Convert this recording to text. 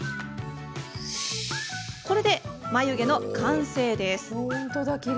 これで眉毛の完成です！